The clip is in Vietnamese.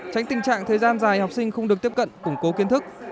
tránh tình trạng thời gian dài học sinh không được tiếp cận củng cố kiến thức